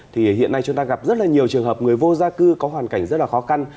thì hiện nay chúng ta gặp rất là nhiều trường hợp người vô gia cư có hoàn cảnh rất là khó khăn